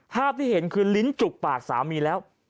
ภาพที่เห็นคือลิ้นจุกปากสามีแล้ว